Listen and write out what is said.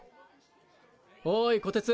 おいこてつ！